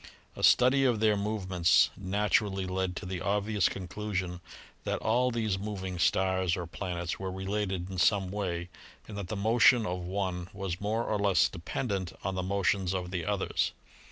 A study of their movements naturally led to the obvious conclusion that all these mov ing stars or planets were related in some way and that the motion of one was more or less dependent on the motions of the others.